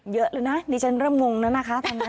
เยอะเลยนะดิฉันเริ่มงงแล้วนะคะภาพนั้น